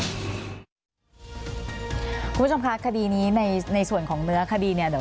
คุณผู้ชมคะคดีนี้ในส่วนของเนื้อคดีเนี่ยเดี๋ยว